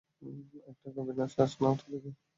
একটা গভীর শ্বাস নাও তো দেখি।